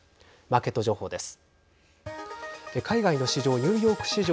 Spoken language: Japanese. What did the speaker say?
マーケット情報です。